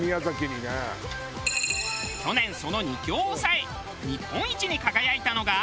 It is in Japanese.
去年その二強を抑え日本一に輝いたのが。